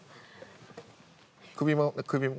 首も首も。